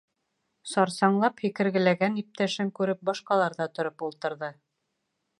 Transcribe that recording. Сарсаңлап һикергеләгән иптәшен күреп башҡалар ҙа тороп ултырҙы.